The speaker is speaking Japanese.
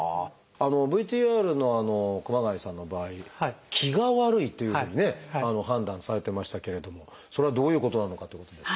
ＶＴＲの熊谷さんの場合「気が悪い」というふうに判断されてましたけれどもそれはどういうことなのかってことですが。